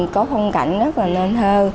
có phong cảnh rất là nên thơ